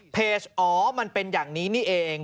อ๋อมันเป็นอย่างนี้นี่เอง